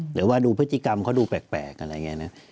หรือว่าดูพฤติกรรมเขาดูแปลกอะไรอย่างนี้นะ